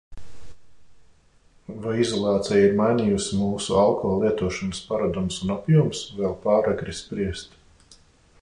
Vai izolācija ir mainījusi mūsu alko lietošanas paradumus un apjomus? Vēl pāragri spriest.